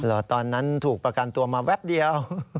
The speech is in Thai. ตอนนั้นถูกประกันตัวมาแวบเดียว